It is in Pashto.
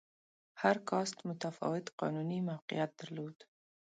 هر کاسټ متفاوت قانوني موقعیت درلود.